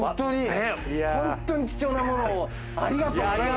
ホントに貴重なものをありがとうございます。